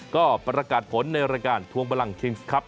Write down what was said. ก็ประกาศผลในรายการทวงบลังคิงส์ครับ